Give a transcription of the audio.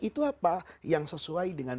itu apa yang sesuai dengan